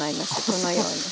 このように。